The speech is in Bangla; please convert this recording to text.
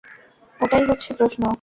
ওটাই হচ্ছে প্রশ্ন।